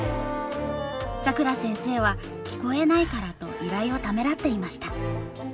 さくら先生は聞こえないからと依頼をためらっていました。